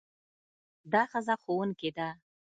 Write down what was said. دا ښځه ښوونکې ده.